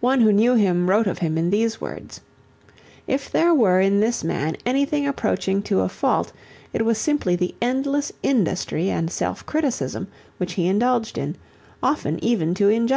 One who knew him wrote of him in these words, "If there were in this man anything approaching to a fault it was simply the endless industry and self criticism which he indulged in, often even to injustice."